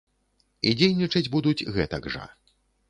І дзейнічаць будуць гэтак жа.